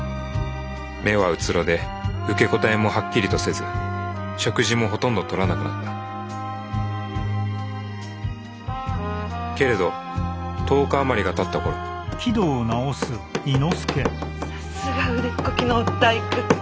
目はうつろで受け答えもはっきりとせず食事もほとんどとらなくなったけれど１０日余りがたった頃さすが腕っこきの大工。